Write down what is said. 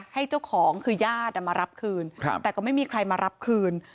ให้เจ้าของคือญาติมารับคืนแต่ก็ไม่มีใครมารับคืน